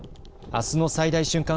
あすの最大瞬間